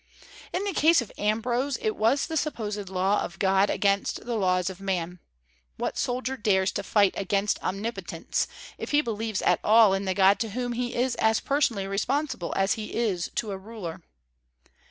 In the case of Ambrose, it was the supposed law of God against the laws of man. What soldier dares to fight against Omnipotence, if he believes at all in the God to whom he is as personally responsible as he is to a ruler?